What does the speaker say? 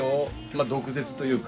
まあ毒舌というか。